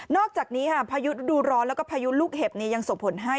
อกจากนี้ค่ะพายุฤดูร้อนแล้วก็พายุลูกเห็บยังส่งผลให้